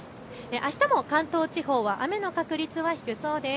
あしたも関東地方は雨の確率は低そうです。